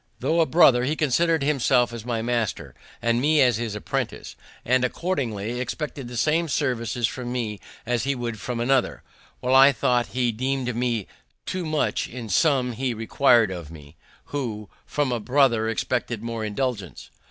Though a brother, he considered himself as my master, and me as his apprentice, and, accordingly, expected the same services from me as he would from another, while I thought he demean'd me too much in some he requir'd of me, who from a brother expected more indulgence.